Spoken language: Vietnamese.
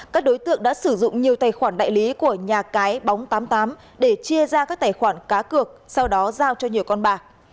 các đối tượng đã sử dụng nhiều tài khoản đại lý của nhà cái bóng tám mươi tám để chia ra các tài khoản cá cược sau đó giao cho nhiều con bạc